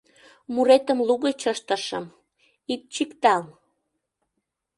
Муретым лугыч ыштышым — ит чиктал.